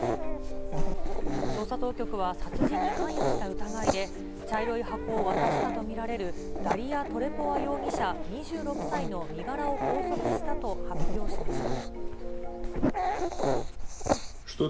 捜査当局は殺人に関与した疑いで、茶色い箱を渡したと見られるダリヤ・トレポワ容疑者２６歳の身柄を拘束したと発表しました。